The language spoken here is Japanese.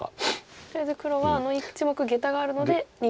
とりあえず黒はあの１目ゲタがあるので逃げなきゃいけない。